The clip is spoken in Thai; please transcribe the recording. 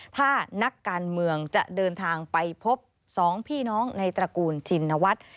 ถ้านักการเมืองจะเดินทางไปพบ๒พี่น้องในตระกูลชินวัฒน์